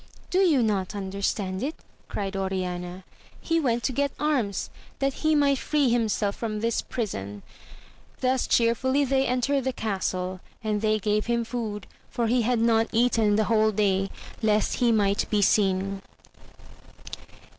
Do you not understand it ? cried Oriana, he went to get arms, that he might free himself from this prison. Thus chearfully they entered the castle, and they gave him food, for he had not eaten the whole day, lest he might be seen.